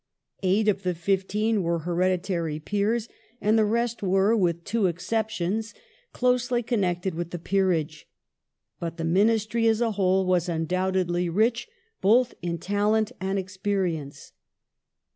Eight of the fifteen were hereditary Peers, and the rest were, with two 1852] CONSEQUENCES OF THE FAMINE 185 exceptions, closely connected with the Peerage. But the Ministry as a whole was undeniably rich, both in talent and experience.